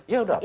ya udah pasti